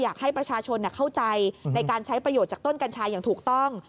อยากให้ประชาชนเข้าใจในการใช้ประโยชน์จากต้นกัญชาอย่างถูกต้อง